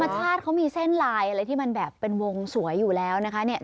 ชาติเขามีเส้นลายอะไรที่มันแบบเป็นวงสวยอยู่แล้วนะคะเนี่ย